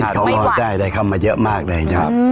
เขาก็ได้เข้ามาเยอะมากเลยนะครับ